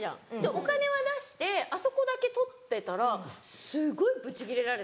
お金は出してあそこだけ取ってたらすごいブチギレられて。